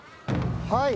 はい。